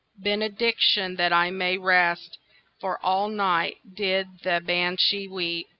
"Benediction, that I may rest, For all night did the Banshee weep."